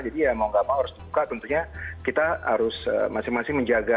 jadi ya mau gak mau harus dibuka tentunya kita harus masing masing menjaga